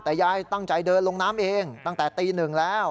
แต่ยายตั้งใจเดินลงน้ำเองตั้งแต่ตีหนึ่งแล้ว